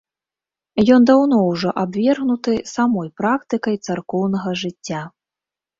Ён даўно ўжо абвергнуты самой практыкай царкоўнага жыцця.